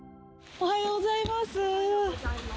おはようございます。